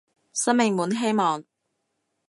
生命滿希望